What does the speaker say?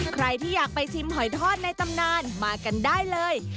ใครที่อยากไปชิมหอยทอดในตำนานมากันได้เลย